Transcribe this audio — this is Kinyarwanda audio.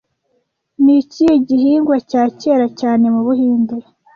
Ni ikihe gihingwa cya kera cyane mu Buhinde